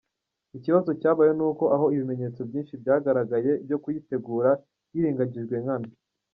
Ikibazo cyabayeho, ni uko aho ibimeneyetso byinshi byagaragaye byo kuyitegura, hirengagijwe nkana!